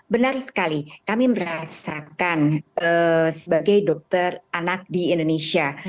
benar sekali kami merasakan sebagai dokter anak di indonesia